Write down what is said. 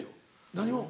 何を？